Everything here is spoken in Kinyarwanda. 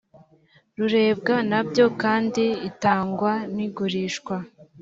rurebwa na byo kandi itangwa n igurishwa